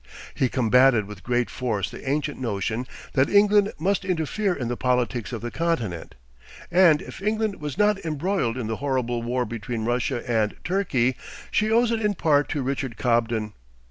He combated with great force the ancient notion that England must interfere in the politics of the continent; and if England was not embroiled in the horrible war between Russia and Turkey, she owes it in part to Richard Cobden.